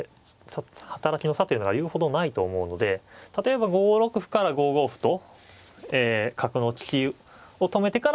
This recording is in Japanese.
働きの差というのは言うほどないと思うので例えば５六歩から５五歩と角の利きを止めてから３五歩と反撃したり。